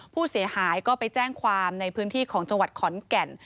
ผู้เสียหายก็ไปแจ้งความในพื้นที่ของจังหวัดขอนแก่น